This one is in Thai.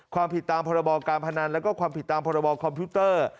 ความผิดตามพรบการพนันแล้วก็ความผิดตามพรบคอมพิวเตอร์